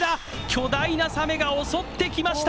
巨大なサメが襲ってきました。